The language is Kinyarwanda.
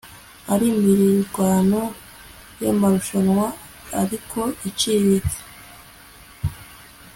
arimirwano yamarushanwa ariko iciriritse